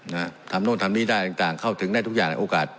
นะฮะทำนู่นทำนี่ได้ต่างต่างเข้าถึงได้ทุกอย่างในโอกาส